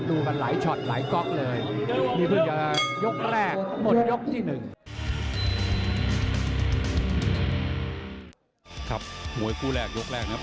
ดูมันหลายช็อตหลายก๊อกเลย